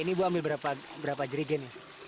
ini ibu ambil berapa jerigen